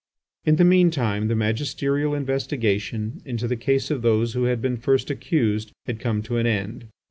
In the mean time the magisterial investigation into the case of those who had been first accused had come to an end.